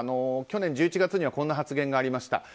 去年１１月にはこんな発言がありました。